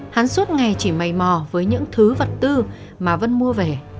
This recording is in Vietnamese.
hắn suốt ngày chỉ mầy mò với những thứ vật tư mà vân mua về